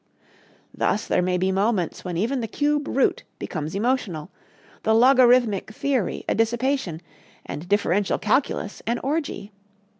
Thus there may be moments when even the cube root becomes emotional, the logarithmic theory a dissipation, and differential calculus an orgy.